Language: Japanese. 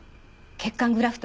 血管グラフト。